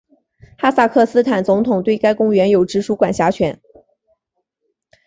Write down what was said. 哈萨克斯坦总统对该公园有直属管辖权。